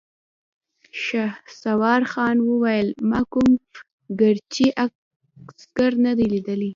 شهسوارخان وويل: ما کوم ګرجۍ عسکر نه دی ليدلی!